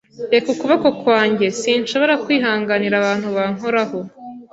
Reka ukuboko kwanjye! Sinshobora kwihanganira abantu bankoraho.